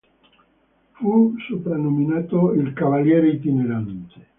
Fu soprannominato il "cavaliere itinerante".